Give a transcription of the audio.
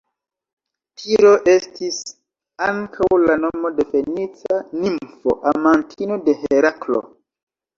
Tiro estis ankaŭ la nomo de fenica nimfo, amantino de Heraklo.